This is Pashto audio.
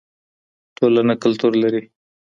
ټولنه کلتور لري.